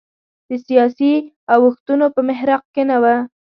د سیاسي اوښتونونو په محراق کې نه و.